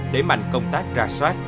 để mạnh công tác ra soát